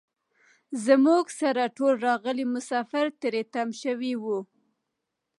زموږ سره ټول راغلي مسافر تري تم شوي وو.